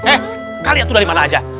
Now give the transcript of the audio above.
eh kalian tuh dari mana aja